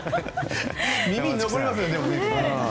耳に残りますよね。